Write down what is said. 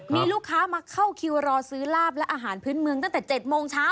มีลูกค้ามาเข้าคิวรอซื้อลาบและอาหารพื้นเมืองตั้งแต่๗โมงเช้า